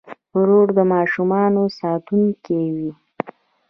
ورور د ماشومانو ساتونکی وي.